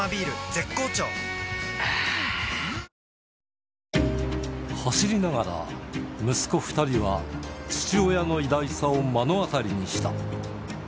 絶好調あぁ走りながら、息子２人は父親の偉大さを目の当たりにした。